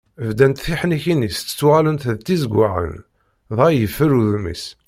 Bdant teḥnikin-is ttuɣalent d tizeggaɣin, dɣa yeffer udem-is.